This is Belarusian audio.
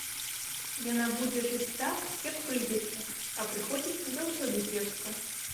Яна будзе жыць так, як прыйдзецца, а прыходзіцца заўсёды кепска.